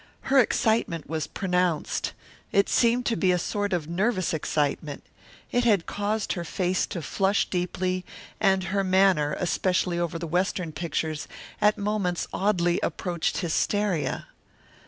Her excitement was pronounced. It seemed to be a sort of nervous excitement. It had caused her face to flush deeply, and her manner, especially over the Western pictures, at moments oddly approached hysteria.